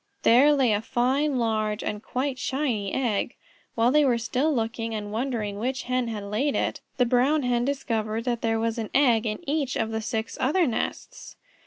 There lay a fine, large, and quite shiny egg. While they were still looking and wondering which Hen had laid it, the Brown Hen discovered that there was an egg in each of the six other nests.